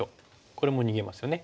これも逃げますよね。